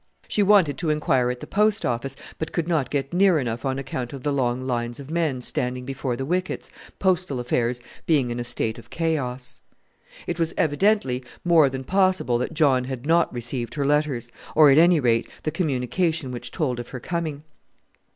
She wanted to inquire at the post office; but could not get near enough on account of the long lines of men standing before the wickets, postal affairs being in a state of chaos. It was evidently more than possible that John had not received her letters, or, at any rate, the communication which told of her coming.